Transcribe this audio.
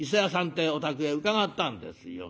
ってえお宅へ伺ったんですよ。